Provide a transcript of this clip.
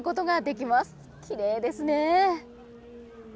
きれいですね。